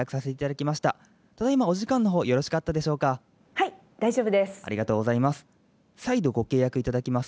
はい大丈夫です。